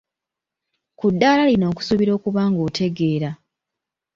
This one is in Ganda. Ku ddaala lino nkusuubira okuba ng'otegeera.